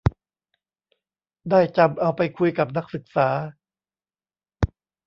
ได้จำเอาไปคุยกับนักศึกษา